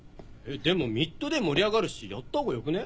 でも『ＭＩＤＤＡＹ』盛り上がるしやった方がよくね？